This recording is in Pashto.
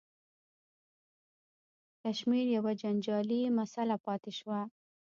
کشمیر یوه جنجالي مسله پاتې شوه.